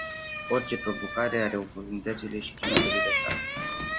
Orice provocare are oportunitățile și riscurile sale.